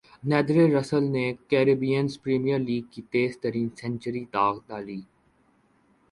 ندرے Russell نے کیربینئز premier league کی تیز ترین سنچری داغ ڈالی